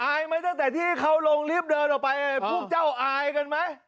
ไหมตั้งแต่ที่เขาลงลิฟต์เดินออกไปพวกเจ้าอายกันไหม